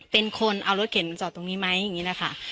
เป็นคนเอารถเข็นมาจอดตรงนี้ไหมอย่างนี้แหละค่ะ